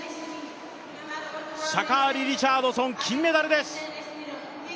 シャカリ・リチャードソン金メダルです！